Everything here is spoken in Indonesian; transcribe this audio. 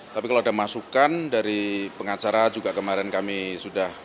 tapi kalau ada masukan dari pengacara juga kemarin kami sudah